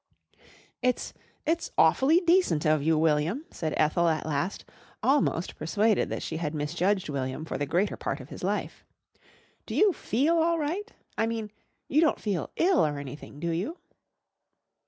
"It's it's awfully decent of you, William," said Ethel, at last, almost persuaded that she had misjudged William for the greater part of his life. "Do you feel all right? I mean, you don't feel ill or anything, do you?"